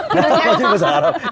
bahasa arab jangan jangan